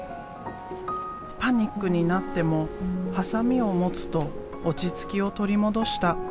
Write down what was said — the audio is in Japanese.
パニックになってもハサミを持つと落ち着きを取り戻した。